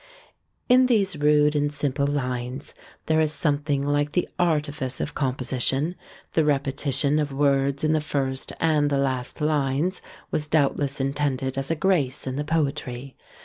In these rude and simple lines there is something like the artifice of composition: the repetition of words in the first and the last lines was doubtless intended as a grace in the poetry.